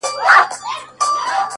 • پايزېب به دركړمه د سترگو توره؛